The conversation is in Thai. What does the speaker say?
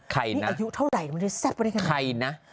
ใครนะนี่อายุเท่าไหร่มันเลยแซ่บมาได้ไงใครนะ